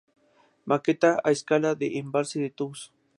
Maqueta a escala del embalse de Tous.